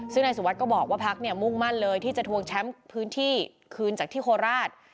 ซึ่งนายสุวัสดิก็บอกว่าพักเนี่ยมุ่งมั่นเลยที่จะทวงแชมป์พื้นที่คืนจากที่โคราช